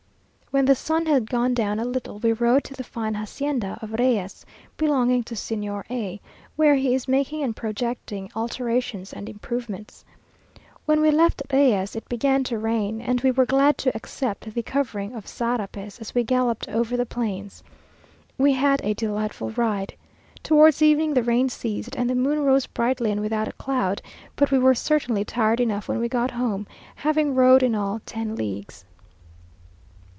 When the sun had gone down a little, we rode to the fine hacienda of Reyes, belonging to Señor A , where he is making and projecting alterations and improvements. When we left Reyes it began to rain, and we were glad to accept the covering of sarapes, as we galloped over the plains. We had a delightful ride. Towards evening the rain ceased, and the moon rose brightly and without a cloud; but we were certainly tired enough when we got home, having rode in all ten leagues.